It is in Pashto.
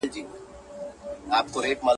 مه کوه په چا، چي و به سي په تا.